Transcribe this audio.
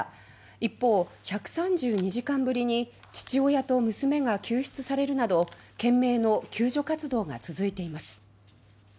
一方、１３２時間ぶりに父親と娘が救出されるなど懸命の救助活動が続いています。